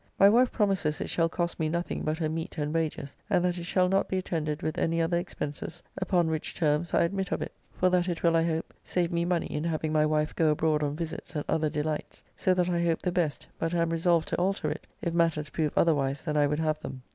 My wife promises it shall cost me nothing but her meat and wages, and that it shall not be attended with any other expenses, upon which termes I admit of it; for that it will, I hope, save me money in having my wife go abroad on visits and other delights; so that I hope the best, but am resolved to alter it, if matters prove otherwise than I would have them.